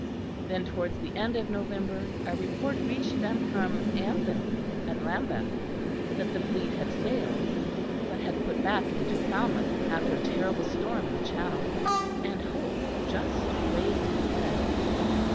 Then towards the end of November a report reached them from Anthony at Lambeth that the fleet had sailed; but had put back into Falmouth after a terrible storm in the Channel. And hope just raised its head.